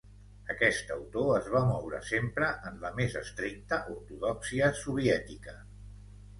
Aquest autor es va moure sempre en la més estricta ortodòxia soviètica.